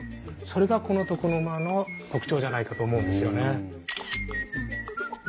それがこの床の間の特徴じゃないかと思うんですよね。